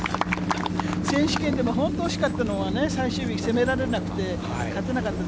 選手権でも、本当惜しかったのはね、最終日、攻められなくて勝てなかった。